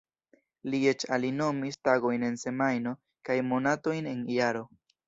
Li eĉ alinomis tagojn en semajno kaj monatojn en jaro.